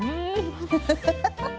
ハハハハハ。